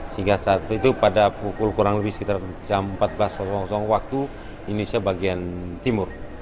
sehingga saat itu pada pukul kurang lebih sekitar jam empat belas waktu indonesia bagian timur